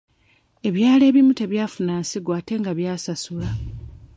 Ebyalo ebimu tebyafuna nsigo ate nga byasasula.